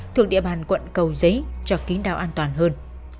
thuộc địa bàn quận cầu giới cho kính đạo an toàn hơn